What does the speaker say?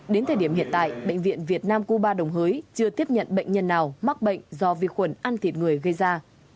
đến thời điểm hiện tại bệnh viện việt nam cuba đồng hới chưa tiếp nhận bệnh nhân nào mắc bệnh do vi khuẩn ăn thịt người gây ra